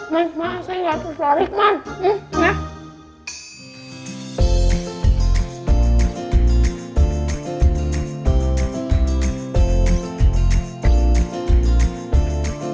mbak saya gak tersorik mbak